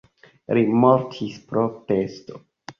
Li mortis pro pesto.